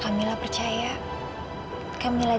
kamu seperti nih